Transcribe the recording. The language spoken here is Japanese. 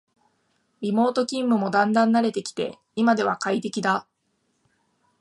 リモート勤務もだんだん慣れてきて今では快適だ